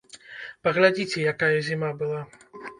Паглядзіце, якая зіма была.